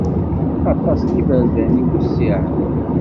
Aṭas n iberdan i iwessiɛen.